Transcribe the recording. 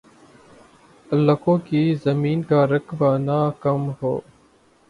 لکوں کی زمین کا رقبہ نہ کم ہو